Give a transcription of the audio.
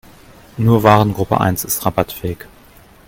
Nur Warengruppe eins ist rabattfähig.